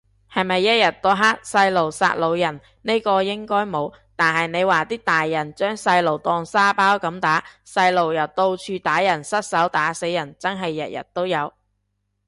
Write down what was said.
係咪一日到黑細路殺老人，呢個應該冇，但係你話啲大人將細路當沙包咁打，細路又到處打人失手打死人，真係日日都有